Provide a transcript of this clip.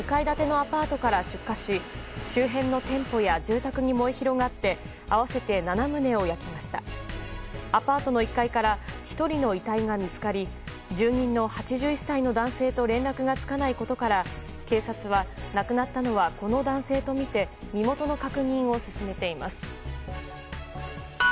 アパートの１階から１人の遺体が見つかり住人の８１歳の男性と連絡がつかないことから警察は亡くなったのはこの男性とみて身元の確認を進めています。